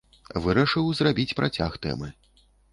Вырашыў зрабіць працяг тэмы.